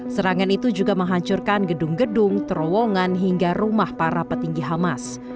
serangan itu juga menghancurkan gedung gedung terowongan hingga rumah para petinggi hamas